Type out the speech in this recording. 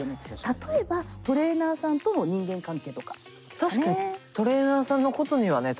例えばトレーナーさんとの人間関係とか。